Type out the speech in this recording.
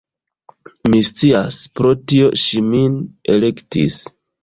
Mi scias, pro tio ŝi min elektis